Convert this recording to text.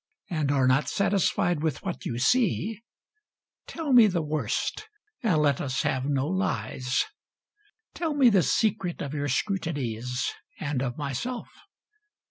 And are not satisfied with what you see, Tell me the worst and let us havb no lies: Tell me the secret of your scrutinies. And of myself.